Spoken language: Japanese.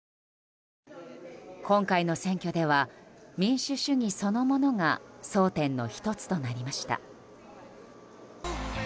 今回の選挙では民主主義そのものが争点の１つとなりました。